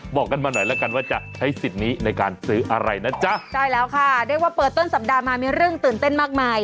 บอกกันมาหน่อยแล้วกันว่าจะใช้สิทธิ์นี้ในการซื้ออะไรนะจ๊ะใช่แล้วค่ะเรียกว่าเปิดต้นสัปดาห์มามีเรื่องตื่นเต้นมากมาย